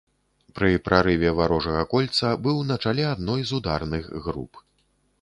Пры прарыве варожага кольца быў на чале адной з ударных груп.